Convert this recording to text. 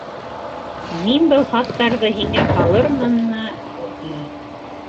Мин был хаттарҙы һиңә һалырмынмы, юҡмы.